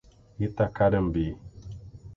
Itacarambi